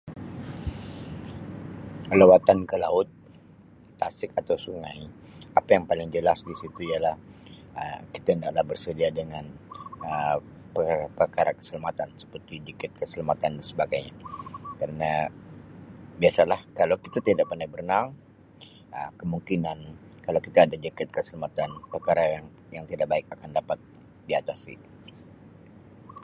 Lawatan ke laut, tasik atau sungai apa yang paling jelas disitu ialah Um kita hendaklah bersedia dengan perkara perkara keselamatan seperti jaket keselamatan dan sebagainya kerna biasa lah kalau kita tidak pandai berenang Um kemungkinan kalau kita ada jaket keselamatan perkara yang tidak baik dapat di atasi.